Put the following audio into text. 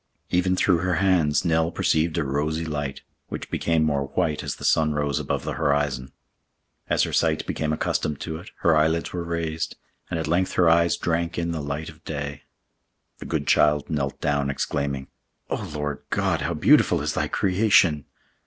Even through her hands Nell perceived a rosy light, which became more white as the sun rose above the horizon. As her sight became accustomed to it, her eyelids were raised, and at length her eyes drank in the light of day. The good child knelt down, exclaiming, "Oh Lord God! how beautiful is Thy creation!"